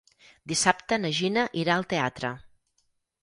Dissabte na Gina irà al teatre.